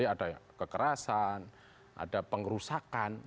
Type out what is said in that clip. ada kekerasan ada pengerusakan